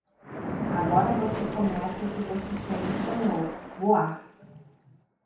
Agora você começa o que você sempre sonhou: voar!